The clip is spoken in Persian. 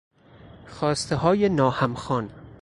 خواستههای ناهمخوان